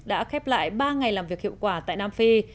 đã khép lại ba ngày làm việc hiệu quả tại nam phi